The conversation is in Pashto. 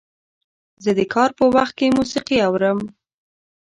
زه د کار په وخت کې موسیقي اورم.